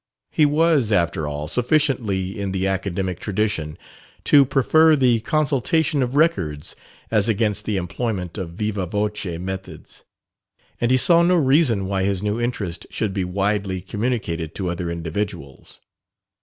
He was, after all, sufficiently in the academic tradition to prefer the consultation of records as against the employment of viva voce methods; and he saw no reason why his new interest should be widely communicated to other individuals.